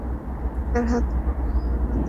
তার হাত -পা তখনো বাঁধা ছিল।